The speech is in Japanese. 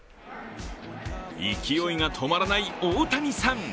勢いが止まらない大谷さん！